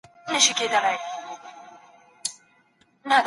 کرامت د هر انسان طبیعي حق دی.